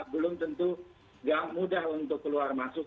belum tentu tidak mudah untuk keluar masuk